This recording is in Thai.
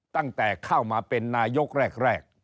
ตั้งแต่เข้ามาเป็นนายกแรก